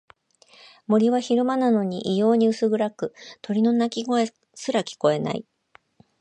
森は昼間なのに異様に薄暗く、鳥の鳴き声すら聞こえない。